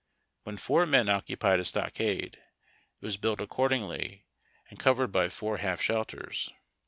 When four men occupied a stockade, it was built accordingly, and covered by four half shelters.